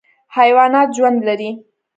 حیوانات ژوند لري.